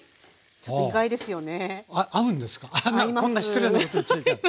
ちょっと意外ですよね。